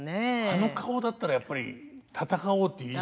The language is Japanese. あの顔だったらやっぱり戦おうっていう。